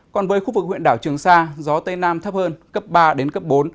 còn với khu vực huyện đảo trường sa gió tây nam thấp hơn cấp ba đến cấp bốn